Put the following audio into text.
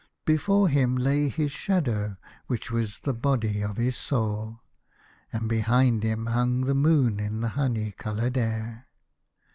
Before him lay his shadow, which was the body of his soul, and behind him hung the moon in the honey coloured air.